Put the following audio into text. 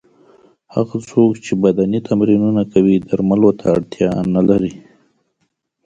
هغه څوک چې بدني تمرینونه کوي درملو ته اړتیا نه لري.